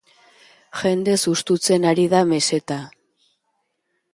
Jendez hustutzen ari da meseta.